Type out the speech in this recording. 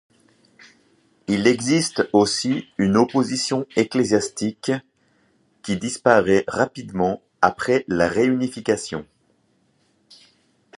Il existe aussi une opposition ecclésiastique, qui disparait rapidement après la réunification.